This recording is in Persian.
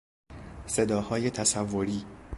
صداهای تصوری